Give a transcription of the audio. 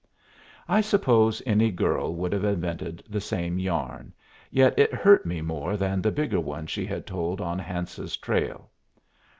I suppose any girl would have invented the same yarn, yet it hurt me more than the bigger one she had told on Hance's trail.